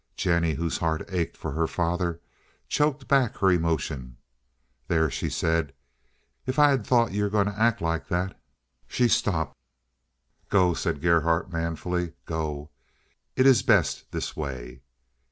Jennie, whose heart ached for her father, choked back her emotion. "There," she said, "if I'd thought you were going to act like that—" She stopped. "Go," said Gerhardt, manfully, "go. It is best this way."